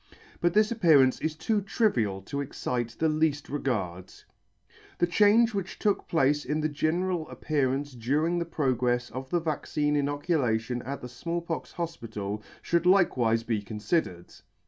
But this appearance is too trivial to excite the leafl: regard. The change which took place in the general appearance du ring the progrefs of the vaccine inoculation at the Small pox Hofpital fhould likewife be confldered.